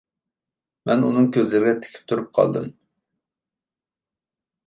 مەن ئۇنىڭ كۆزلىرىگە تىكىپ تۇرۇپ قالدىم.